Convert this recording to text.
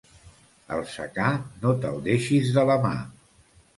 El secà no te'l deixis de la mà.